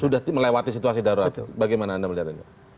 sudah melewati situasi darurat bagaimana anda melihatnya